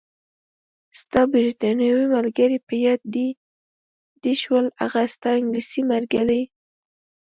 ستا بریتانوي ملګرې، په یاد دې شول؟ هغه ستا انګلیسۍ ملګرې.